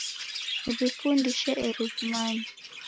W'ifundishe eri w'imanye